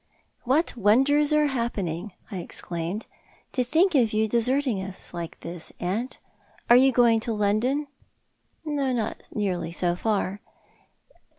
" What wonders are happening," I exclaimed. "■ To think of you deserting us like this, aunt ! Are you going to London ?"" Not nearly so far."